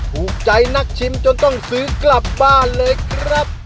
ถูกใจนักชิมจนต้องซื้อกลับบ้านเลยครับ